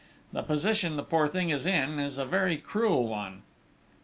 The position the poor thing is in is a very cruel one!"